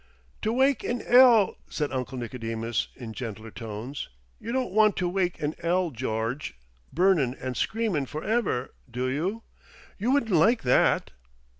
"To wake in 'ell," said Uncle Nicodemus, in gentle tones. "You don't want to wake in 'ell, George, burnin' and screamin' for ever, do you? You wouldn't like that?"